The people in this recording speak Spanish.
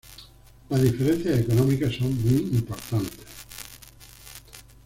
Las diferencias económicas son muy importantes.